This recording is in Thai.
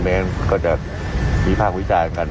เพราะฉะนั้นก็จะมีพาร์ควิจารณ์กัน